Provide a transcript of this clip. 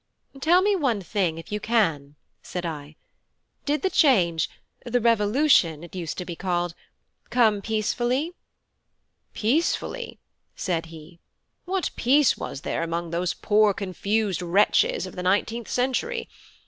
"Tell me one thing, if you can," said I. "Did the change, the 'revolution' it used to be called, come peacefully?" "Peacefully?" said he; "what peace was there amongst those poor confused wretches of the nineteenth century?